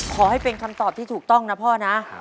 ขอให้เป็นคำตอบที่ถูกต้องนะพ่อนะ